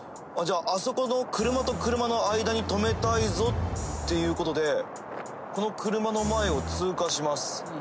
じゃああそこの車と車の間に止めたいぞっていうことでこの車の前を通過します。